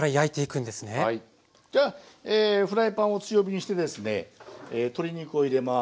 じゃあフライパンを強火にしてですね鶏肉を入れます。